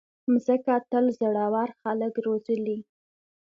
مځکه تل زړور خلک روزلي.